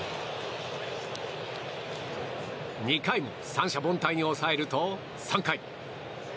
２回も三者凡退に抑えると３回。